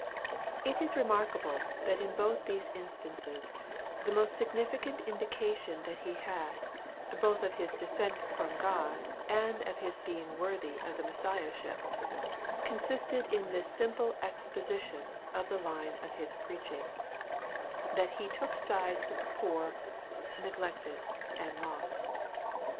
It is remarkable that in both these instances the most significant indication that he had, both of his descent from God and of his being worthy of the Messiahship, consisted in this simple exposition of the line of his preaching, that he took sides with the poor, neglected, and lost.